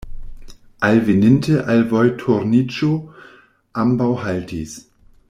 Alveninte al vojturniĝo, ambaŭ haltis.